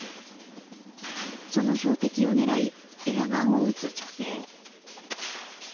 その標的を狙いエアガンを撃つ女性。